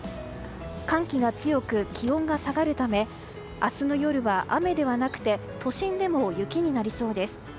寒気が強く気温が下がるため明日の夜は雨ではなくて都心でも雪になりそうです。